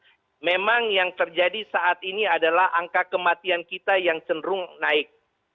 nah memang yang terjadi saat ini adalah angka kematian kita yang cenderung naik